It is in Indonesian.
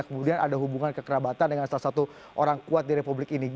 kemudian ada hubungan kekerabatan dengan salah satu orang kuat di republik ini